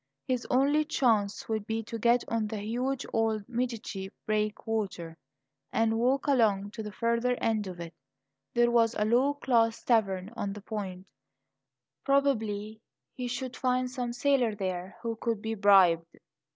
His only chance would be to get on to the huge old Medici breakwater and walk along to the further end of it. There was a low class tavern on the point; probably he should find some sailor there who could be bribed.